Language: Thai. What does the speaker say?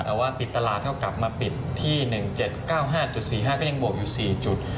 แต่ว่าปิดตลาดเท่ากลับมาปิดที่๑๗๙๕๔๕ก็ยังบวกอยู่๔จุด